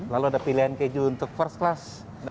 lalu ada pilihan keju untuk first class